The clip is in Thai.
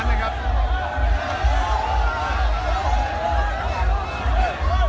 ส่วนใหญ่เลยครับ